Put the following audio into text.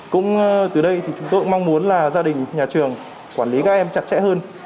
cũng từ đây thì chúng tôi cũng mong muốn là gia đình nhà trường quản lý các em chặt chẽ hơn